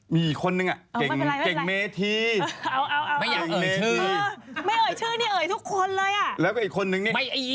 มีอีกคนนึงอ่ะ